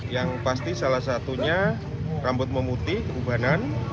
yang pasti salah satunya rambut memutih kekubanan